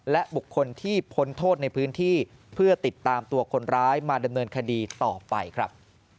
และบุคคลที่พ้นโทษในพื้นที่เพื่อติดตามตัวคนร้ายมาดำเนินคดีต่อไปครับ